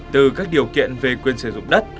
từ các điều kiện về quyền sử dụng đất